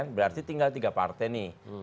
berarti tinggal tiga partai nih